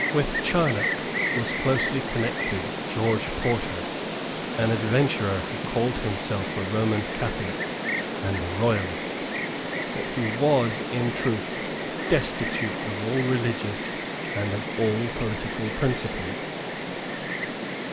With Charnock was closely connected George Porter, an adventurer who called himself a Roman Catholic and a Royalist, but who was in truth destitute of all religious and of all political principle.